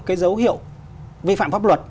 cái dấu hiệu vi phạm pháp luật